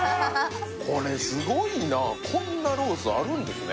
これすごいなこんなロースあるんですね